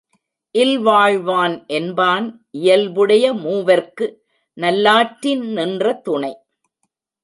இல்வாழ்வான் என்பான் இயல்புடைய மூவர்க்கு நல்லாற்றின் நின்ற துணை.